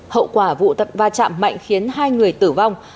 hậu quả vụ tập va chạm mạnh khiến hai người tử vong